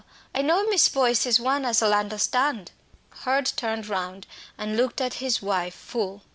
I know Miss Boyce is one as ull understand " Hurd turned round and looked at his wife full.